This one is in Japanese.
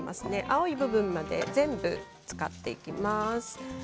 青い部分まで全部使っていきます。